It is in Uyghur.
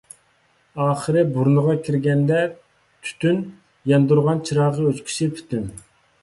ئاخىرى بۇرنىغا كىرگەندە تۈتۈن، ياندۇرغان چىراغى ئۆچكۈسى پۈتۈن.